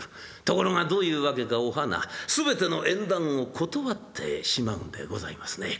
ところがどういうわけかお花全ての縁談を断ってしまうんでございますね。